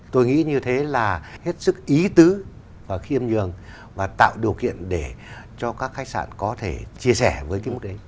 tôi nghĩ như thế là hết sức ý tứ và khiêm nhường và tạo điều kiện để cho các khách sạn có thể chia sẻ với cái mức đấy